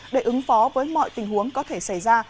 để ứng phó với mọi tình huống có thể xảy ra